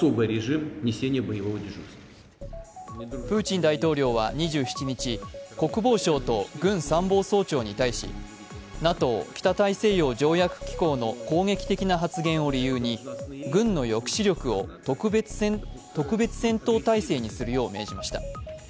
プーチン大統領は２７日、国防相と軍参謀総長に対しＮＡＴＯ＝北大西洋条約機構の攻撃的な発言を理由に、軍の抑止力を特別戦闘態勢にするよう命じました。